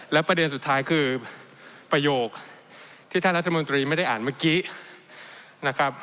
และประเด็นสุดท้ายคือประโยคที่ท่านรัฐมนตรีไม่ได้อ่านเมื่อกี้นะครับ